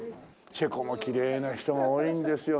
チェコもきれいな人が多いんですよ。